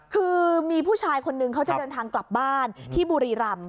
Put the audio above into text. คือมีผู้ชายคนนึงเขาจะเดินทางกลับบ้านที่บุรีรำ